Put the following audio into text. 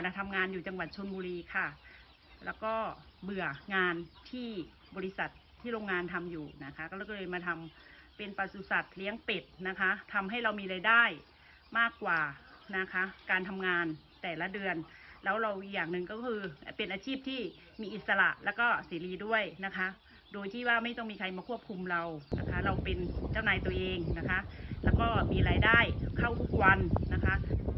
ทำงานอยู่จังหวัดชนบุรีค่ะแล้วก็เบื่องานที่บริษัทที่โรงงานทำอยู่นะคะก็เลยมาทำเป็นประสุทธิ์เลี้ยงเป็ดนะคะทำให้เรามีรายได้มากกว่านะคะการทำงานแต่ละเดือนแล้วเราอีกอย่างหนึ่งก็คือเป็นอาชีพที่มีอิสระแล้วก็เสรีด้วยนะคะโดยที่ว่าไม่ต้องมีใครมาควบคุมเรานะคะเราเป็นเจ้านายตัวเองนะคะแล้วก็มีรายได้เข้าทุกวันนะคะ